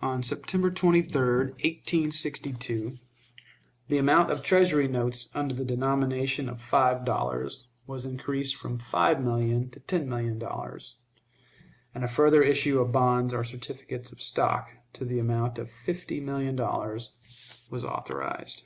On September 23, 1862, the amount of Treasury notes under the denomination of five dollars was increased from five million to ten million dollars, and a further issue of bonds or certificates of stock, to the amount of fifty million dollars, was authorized.